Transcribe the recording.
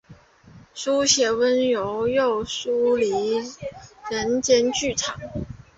书写温柔又疏离的人间剧场。